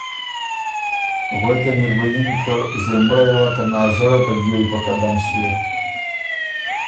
غوېکن اِر بُو یِن که ”زېمُړئ وا، ته نازړه ته ګیوئ په قدم ݭيې“